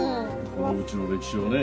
この家の歴史をね。